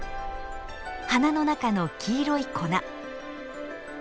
花の中の黄色い粉。